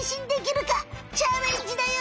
チャレンジだよ！